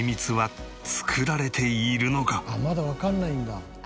「まだわかんないんだ」